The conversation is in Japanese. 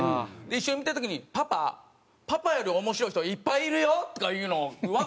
一緒に見てる時に「パパパパより面白い人いっぱいいるよ」とかいうのをわかって。